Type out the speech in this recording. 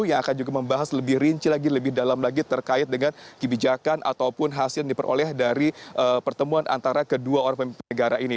yang akan juga membahas lebih rinci lagi lebih dalam lagi terkait dengan kebijakan ataupun hasil yang diperoleh dari pertemuan antara kedua orang pemimpin negara ini